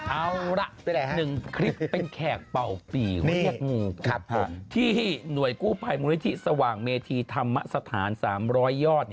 เอาละ๑คลิปเป็นแขกเป่าปีเรียกงูที่หน่วยกู้ภัยมูลนิธิสว่างเมธีธรรมสถาน๓๐๐ยอด